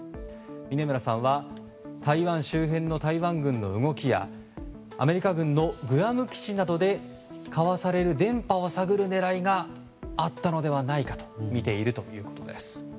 峯村さんは台湾周辺の台湾軍の動きやアメリカ軍のグアム基地などで交わされる電波を探る狙いがあったのではないかとみているということです。